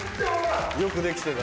よくできてたね。